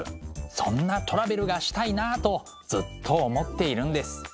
そんなトラベルがしたいなとずっと思っているんです。